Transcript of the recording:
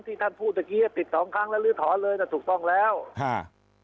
ที่ท่านพูดเมื่อกี้๑๒ครั้งแล้วลื้อถอนเลยนะถูกต้องแล้วฮ่า